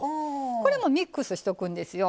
これもミックスしとくんですよ。